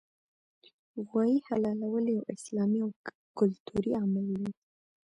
غوايي حلالول یو اسلامي او کلتوري عمل دی